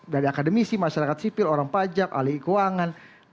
dari akademisi masyarakat sipil orang pajak alih keuangan